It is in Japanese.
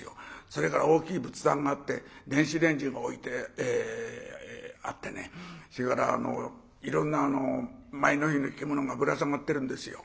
それから大きい仏壇があって電子レンジが置いてあってそれからいろんな前の日の着物がぶら下がってるんですよ。